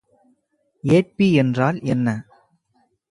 ஏற்பி என்றால் என்ன?